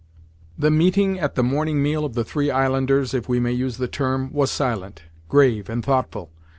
The meeting at the morning meal of the three islanders, if we may use the term, was silent, grave and thoughtful.